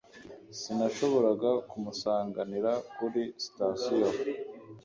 Sinashoboraga kumusanganira kuri sitasiyo